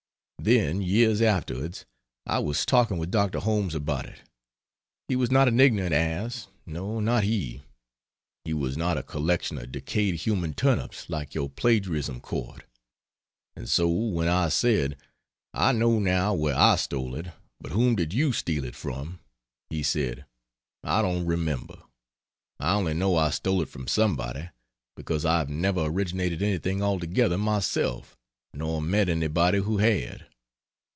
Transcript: Then years afterwards I was talking with Dr. Holmes about it. He was not an ignorant ass no, not he: he was not a collection of decayed human turnips, like your "Plagiarism Court;" and so when I said, "I know now where I stole it, but whom did you steal it from," he said, "I don't remember; I only know I stole it from somebody, because I have never originated anything altogether myself, nor met anybody who had."